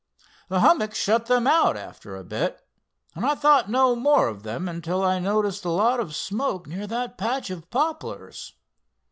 The hummocks shut them out after a bit, and I thought no more of them until I noticed a lot of smoke near that patch of poplars.